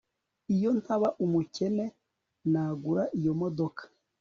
Iyo ntaba umukene nagura iyo modoka